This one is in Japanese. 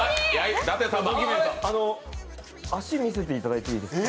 足、見せていただいていいですか？